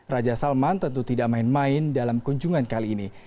raja salman tentu tidak main main dalam kunjungan kali ini